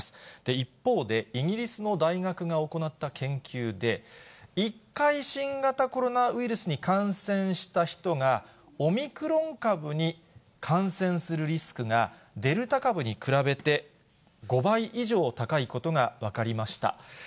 一方で、イギリスの大学が行った研究で、１回新型コロナウイルスに感染した人が、オミクロン株に感染するリスクが、デルタ株に比べて５倍以上高いことが分かりました。